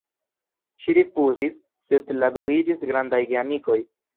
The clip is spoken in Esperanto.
Ŝi rifuzis, sed la du iĝis grandaj geamikoj.